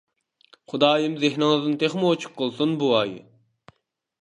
خۇدايىم زېھنىڭىزنى تېخىمۇ ئوچۇق قىلسۇن بوۋاي.